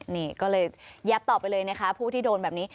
นี่ก็เลยแยบต่อไปเลยนะคะผู้ที่โดนแบบนี้